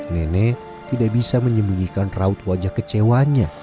nenek tidak bisa menyembunyikan raut wajah kecewanya